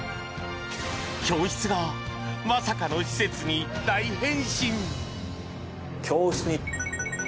教室がまさかの施設に大変身！